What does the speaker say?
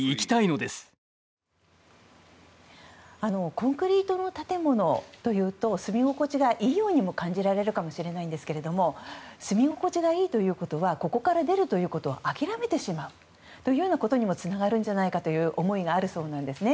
コンクリートの建物というと住み心地がいいようにも感じられるかもしれないんですが住み心地がいいということはここから出ることを諦めてしまうということにもつながるんじゃないかという思いがあるそうなんですね。